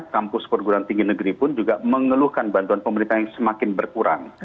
kampus perguruan tinggi negeri pun juga mengeluhkan bantuan pemerintah yang semakin berkurang